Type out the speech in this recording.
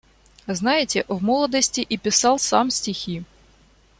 Знаете, в молодости и писал сам стихи.